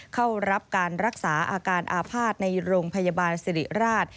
เข้ารับการรักษาอาการอาภาษณ์ในโรงพยาบาลสิริราช